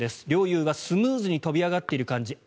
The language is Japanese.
陵侑はスムーズに飛び上がっている感じ。